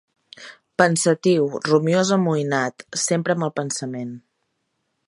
Pensatiu, rumiós amoïnat, sempre amb el pensament